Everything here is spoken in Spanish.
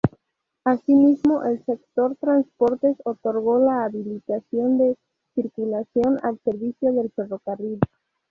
Asimismo, el sector Transportes otorgó la habilitación de circulación al servicio del ferrocarril.